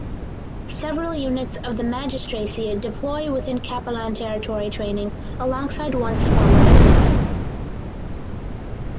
Several units of the magistracy deploy within Capellan territory training alongside once former enemies.